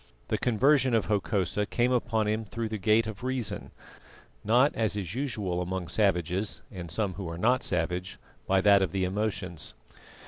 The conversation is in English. The conversion of Hokosa came upon him through the gate of reason, not as is usual among savages and some who are not savage by that of the emotions.